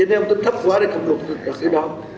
vậy nên không tin thấp quá để không được đặt thứ đó